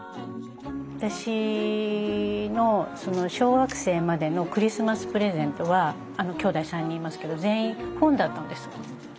私の小学生までのクリスマスプレゼントはきょうだい３人いますけど全員本だったんです。